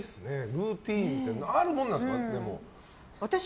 ルーティンってあるものなんですか？